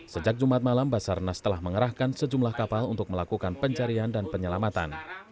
sejak jumat malam basarnas telah mengerahkan sejumlah kapal untuk melakukan pencarian dan penyelamatan